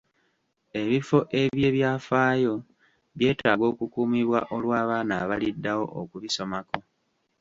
Ebifo eby'ebyafaayo byetaaga okukuumibwa olw'abaana abaliddawo okubisomako.